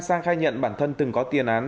sang khai nhận bản thân từng có tiền án